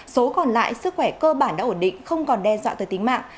số còn lại sức khỏe cơ bản đã ổn định không còn đe dọa tới tính mạng